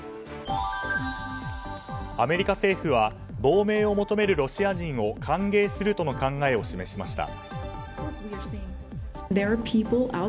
アメリカ政府は亡命を求めるロシア人を歓迎するとの考えを示しました。